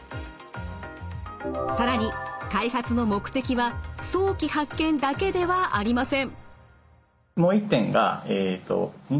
更に開発の目的は早期発見だけではありません。